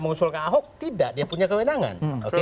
mengusulkan ahok tidak dia punya kewenangan